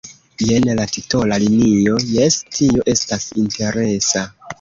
Jen la titola linio — jes, tio estas interesa!